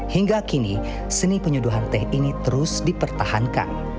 hingga kini seni penyuduhan teh ini terus dipertahankan